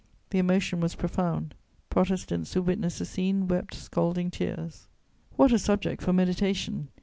The emotion was profound; Protestants who witnessed the scene wept scalding tears. What a subject for meditation!